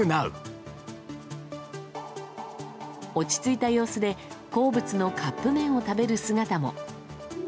落ち着いた様子で好物のカップ麺を食べる姿も。